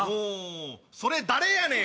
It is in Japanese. それ誰やねん！